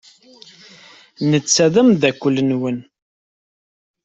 Netta d ameddakel-nwen.